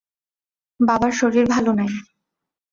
বাবার শরীর ভালো নাই।